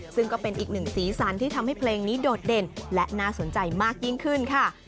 ซึ่งก็เป็นอีกหนึ่งสีสันที่ทำให้เพลงนี้โดดเด่นและน่าสนใจมากยิ่งขึ้นค่ะ